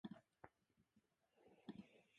ｆｆｊ